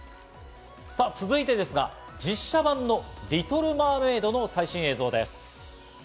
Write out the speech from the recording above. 続いてですが、実写版の『リトル・マーメイド』の最新映像です。